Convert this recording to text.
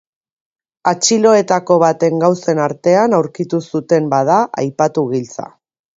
Atxiloetako baten gauzen artean aurkitu zuten, bada, aipatu giltza.